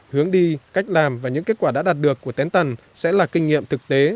hướng đi cách làm và những kết quả đã đạt được của ten sẽ là kinh nghiệm thực tế